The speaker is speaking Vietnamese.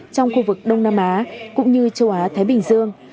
trong khu vực đông nam á cũng như châu á thái bình dương